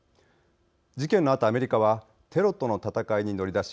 事件のあと、アメリカはテロとの戦いに乗り出し